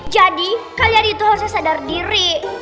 jadi kalian itu harusnya sadar diri